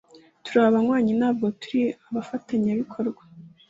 Turi abanywanyi, ntabwo turi abafatanyabikorwa